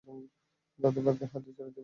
তাদেরকে ভাগ্যের হাতে ছেড়ে দিবো?